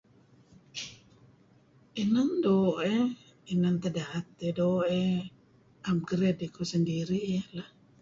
Inan doo' iih inan teh daet iih. Doo' iih Naem kereb iko sendiri'.